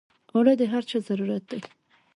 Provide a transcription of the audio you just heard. اوړه د هر چا ضرورت دی